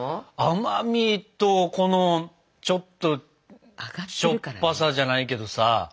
甘みとこのちょっとしょっぱさじゃないけどさ。